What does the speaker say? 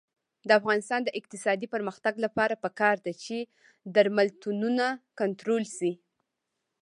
د افغانستان د اقتصادي پرمختګ لپاره پکار ده چې درملتونونه کنټرول شي.